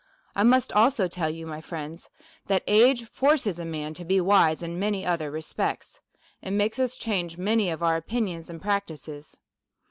'" I must also tell you, my friends, that age forces a man to be wise in many other respects, and makes us change many of our opinions and practices.